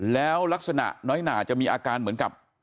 แล้วลักษณะน้อยหนาจะมีอาการเหมือนกับ